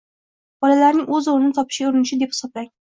Bolalarning o‘z o‘rnini topishga urinishi deb hisoblang.